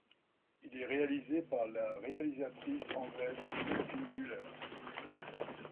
Il est réalisé par la réalisatrice anglaise Sophie Muller.